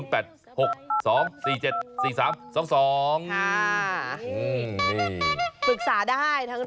ปรึกษาได้ทั้ง